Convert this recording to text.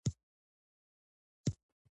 ابداليانو په دوشاخ غره کې سرکښي پيل کړه.